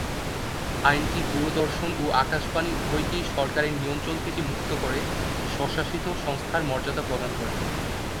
আইনটি দূরদর্শন ও আকাশবাণী উভয়কেই সরকারের নিয়ন্ত্রণ মুক্ত করে স্বশাসিত সংস্থার মর্যাদা প্রদান করে।